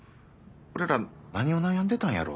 俺ら何を悩んでたんやろ？